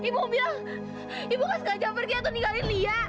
ibu bilang ibu kan sengaja pergi atau ninggalin lia